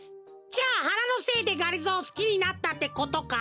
じゃあはなのせいでがりぞーをすきになったってことか？